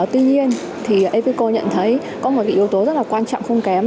tuy nhiên thì apeco nhận thấy có một yếu tố rất là quan trọng không kém